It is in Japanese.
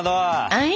はい。